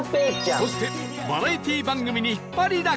そしてバラエティー番組に引っ張りだこ！